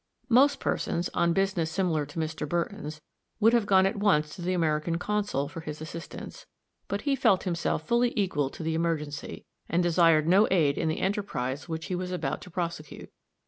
Most persons, on business similar to Mr. Burton's, would have gone at once to the American consul for his assistance; but he felt himself fully equal to the emergency, and desired no aid in the enterprise which he was about to prosecute.